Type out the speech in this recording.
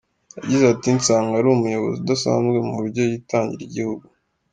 Yagize ati” Nsanga ari umuyobozi udasanzwe mu buryo yitangira igihugu.